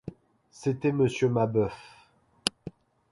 C’était Monsieur Mabeuf.